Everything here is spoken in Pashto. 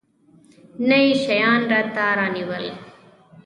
نه يې شيان راته رانيول.